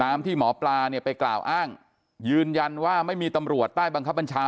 ที่หมอปลาเนี่ยไปกล่าวอ้างยืนยันว่าไม่มีตำรวจใต้บังคับบัญชา